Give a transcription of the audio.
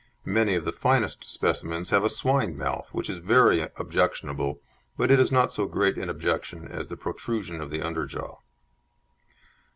(Many of the finest specimens have a "swine mouth," which is very objectionable, but it is not so great an objection as the protrusion of the under jaw.)